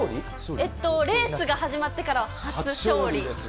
えっと、レースが始まってからは初勝利です。